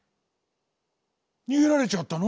にげられちゃったの？